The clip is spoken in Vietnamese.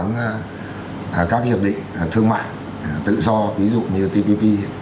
các hiệp định thương mại tự do ví dụ như tpp